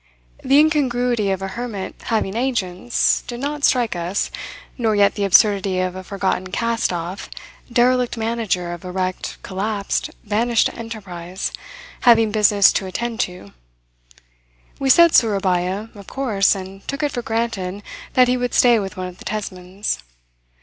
The incongruity of a hermit having agents did not strike us, nor yet the absurdity of a forgotten cast off, derelict manager of a wrecked, collapsed, vanished enterprise, having business to attend to. We said Sourabaya, of course, and took it for granted that he would stay with one of the Tesmans.